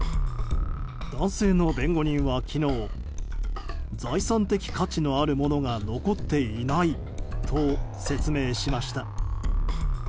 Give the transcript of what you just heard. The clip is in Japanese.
男性の弁護士は昨日財産的価値のあるものが残っていないと説明しました。